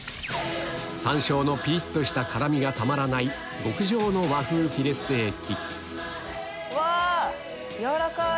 山椒のピリっとした辛みがたまらない極上の和風フィレステーキうわ軟らかい！